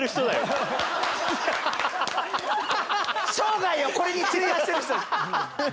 生涯をこれに費やしてる人。